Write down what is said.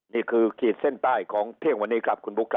นี่คือขี่เส้นใต้ของเทพฯวันนี้ครับคว์คลุมปุ๊ก